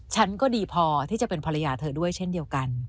ฉันก็ดีพอที่จะเป็นภรรยาเธอด้วยเช่นเดียวกัน